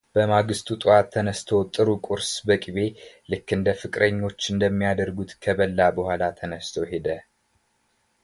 በማግስቱ ጠዋት ተነስቶ ጥሩ ቁርስ በቅቤ ልክ ፍቅረኞች እንደሚያደርጉት ከበላ በኋላ ተነስቶ ሄደ፡፡